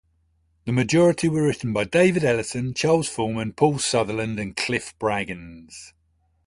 The majority were written by David Ellison, Charles Fullman, Paul Sutherland and Cliff Braggins.